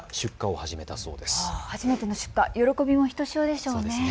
初めての出荷、喜びもひとしおでしょうね。